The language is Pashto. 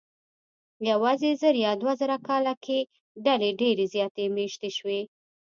یواځې زر یا دوه زره کاله کې ډلې ډېرې زیاتې مېشتې شوې.